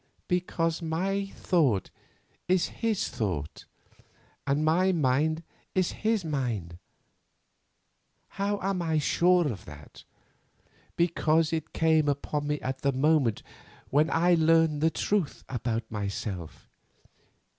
Because my thought, is his thought, and my mind his mind. How am I sure of that? Because it came upon me at the moment when I learned the truth about myself.